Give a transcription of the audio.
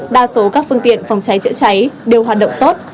đa số các phương tiện phòng cháy chữa cháy đều hoạt động tốt